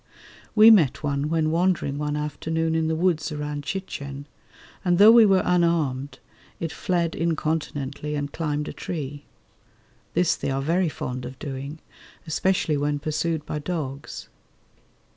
We met one when wandering one afternoon in the woods around Chichen, and though we were unarmed, it fled incontinently and climbed a tree. This they are very fond of doing, especially when pursued by dogs.